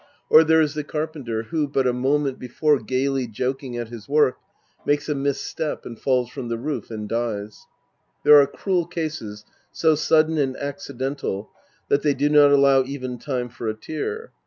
Or there is the carpenter who, but a moment before gayly joking at his Vv^ork, makes a mis step and falls from the roof and dies. There are cruel cases so sudden and accidental that they do not allow even time for a tear.